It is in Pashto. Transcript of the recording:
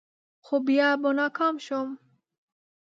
خو بیا به ناکام شوم.